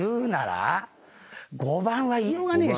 ５番は言いようがねえし。